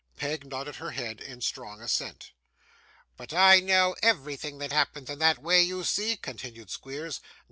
Peg nodded her head in strong assent. 'But I know everything that happens in that way, you see,' continued Squeers.